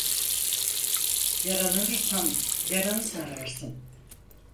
Yaralanırsan, yaranı sararsın.